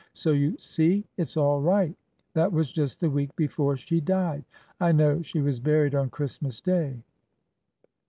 So you see it 's all right. That was just the week before she died. I know she was buried on Christmas day."